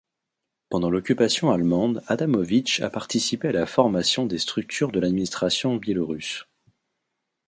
Pendant l'occupation allemande, Adamovitch a participé à la formation des structures de l'administration biélorusse.